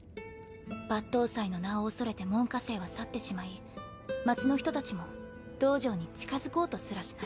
抜刀斎の名を恐れて門下生は去ってしまい町の人たちも道場に近づこうとすらしない。